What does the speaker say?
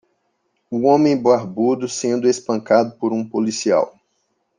Um homem barbudo sendo espancado por um policial.